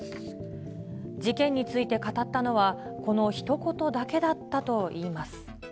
事件について語ったのは、このひと言だけだったといいます。